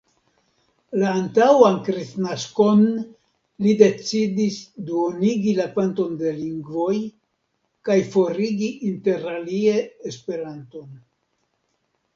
La antaŭan kristnaskon li decidis duonigi la kvanton de lingvoj kaj forigi interalie Esperanton.